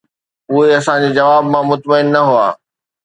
اهي اسان جي جواب مان مطمئن نه هئا.